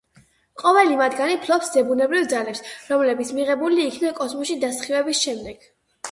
ყოველი მათგანი ფლობს ზებუნებრივ ძალებს, რომლებიც მიღებული იქნა კოსმოსში დასხივების შემდეგ.